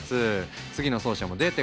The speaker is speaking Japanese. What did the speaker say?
次の走者も出てこない。